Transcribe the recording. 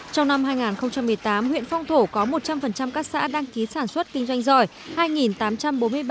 trong năm hai nghìn một mươi tám huyện phong thổ có một trăm linh các xã đăng ký sản xuất kinh doanh giỏi